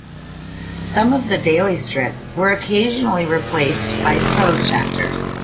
Some of the daily strips were occasionally replaced by prose chapters.